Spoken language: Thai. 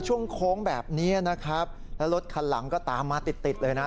ช่วงโค้งแบบนี้นะครับแล้วรถคันหลังก็ตามมาติดติดเลยนะ